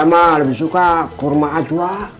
saya mah lebih suka kurma ajwa